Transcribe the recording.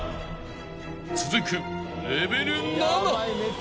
［続くレベル７］